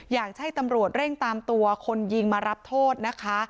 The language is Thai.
อยากให้ตำรวจเร่งตามตัวคนยิงมารับโทษนะคะ